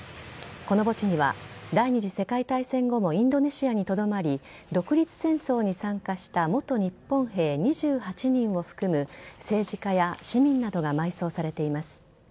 この墓地には、第２次世界大戦後もインドネシアにとどまり、独立戦争に参加した元日本兵２８人を含む政治家や市民などが埋葬されています。